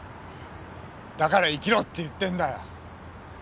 だから生きろって言ってんだよ！